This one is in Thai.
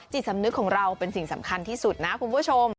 สำนึกของเราเป็นสิ่งสำคัญที่สุดนะคุณผู้ชม